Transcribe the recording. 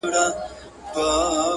نه به سر ته وي امان د غریبانو!!